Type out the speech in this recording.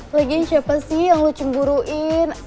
lagiin siapa sih yang lo cemburuin